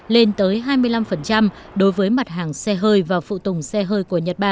lên tới hai mươi năm đối với mặt hàng xe hơi và phụ tùng xe hơi